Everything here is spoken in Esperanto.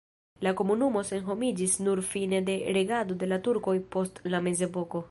La komunumo senhomiĝis nur fine de regado de la turkoj post la mezepoko.